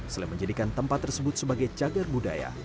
selain menjadikan tempat tersebut sebagai cagar budaya